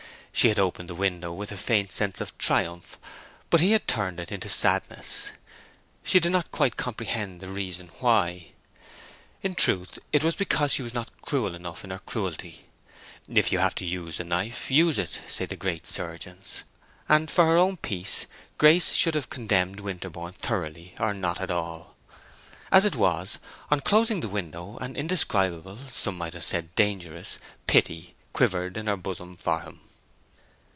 She had opened the window with a faint sense of triumph, but he had turned it into sadness; she did not quite comprehend the reason why. In truth it was because she was not cruel enough in her cruelty. If you have to use the knife, use it, say the great surgeons; and for her own peace Grace should have contemned Winterborne thoroughly or not at all. As it was, on closing the window an indescribable, some might have said dangerous, pity quavered in her bosom for him.